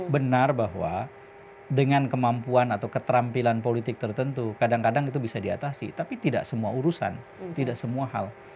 benar bahwa dengan kemampuan atau keterampilan politik tertentu kadang kadang itu bisa diatasi tapi tidak semua urusan tidak semua hal